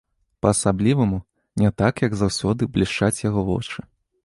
Па-асабліваму, не так як заўсёды, блішчаць яго вочы.